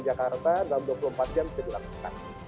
jakarta dalam dua puluh empat jam bisa dilakukan